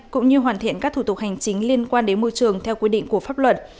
cũng như hoàn thiện các thủ tục hành chính liên quan đến môi trường theo quy định của pháp luật